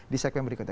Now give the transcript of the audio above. di segmen berikutnya